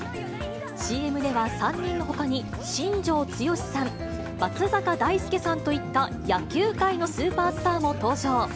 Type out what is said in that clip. ＣＭでは、３人のほかに、新庄剛志さん、松坂大輔さんといった、野球界のスーパースターも登場。